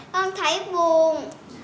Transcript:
con thấy buồn